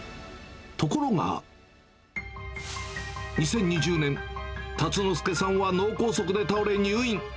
ところが、２０２０年、辰之助さんは脳梗塞で倒れ入院。